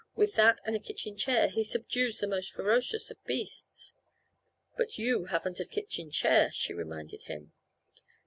With that and a kitchen chair he subdues the most ferocious of beasts." "But you haven't a kitchen chair," she reminded him.